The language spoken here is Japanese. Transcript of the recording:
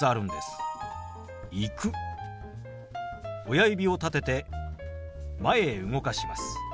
親指を立てて前へ動かします。